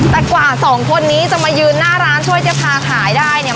แต่กว่าสองคนนี้จะมายืนหน้าร้านช่วยเจ๊พาขายได้เนี่ย